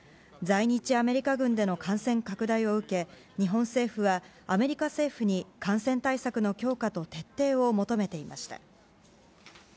在日アメリカ軍での感染拡大を受け日本政府は、アメリカ政府に感染対策の強化と徹底を求めていました。